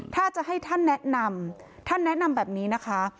ถ้าจะให้ท่านแนะนำท่านแนะนำแบบนี้นะคะ